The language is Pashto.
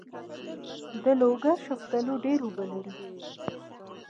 د لوګر شفتالو ډیر اوبه لري.